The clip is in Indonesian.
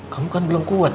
kamu kan belum kuat